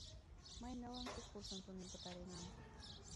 — Мый нылымше курсым тунем пытаренам.